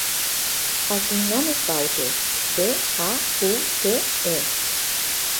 El cognom és Baute: be, a, u, te, e.